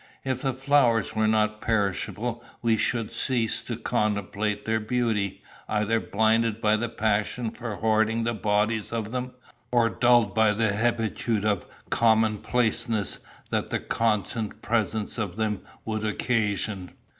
If the flowers were not perishable, we should cease to contemplate their beauty, either blinded by the passion for hoarding the bodies of them, or dulled by the hebetude of commonplaceness that the constant presence of them would occasion.